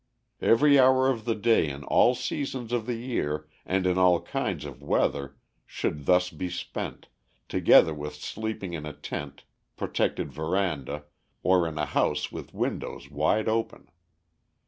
Every hour of the day in all seasons of the year and in all kinds of weather should thus be spent, together with sleeping in a tent, protected veranda, or in a house with windows wide open.